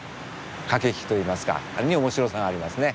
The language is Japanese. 駆け引きといいますか面白さがありますね。